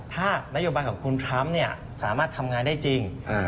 ถ้านโยบายของคุณทรัมป์สามารถทำงานได้จริง